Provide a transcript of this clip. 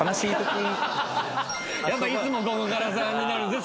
やっぱいつもここからさんになるんですね